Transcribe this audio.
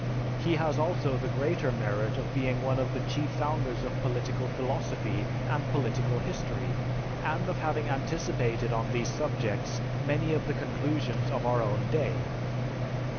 He has also the greater merit of being one of the chief founders of political philosophy and political history, and of having anticipated on these subjects many of the conclusions of our own day.